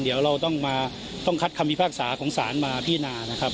เดี๋ยวเราต้องมาต้องคัดคำพิพากษาของศาลมาพินานะครับ